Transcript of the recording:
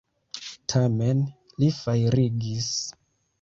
Tamen, li fajrigis.